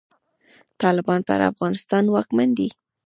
طالبان پر افغانستان واکمن دی.